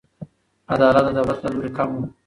عدالت د دولت له لوري کم و.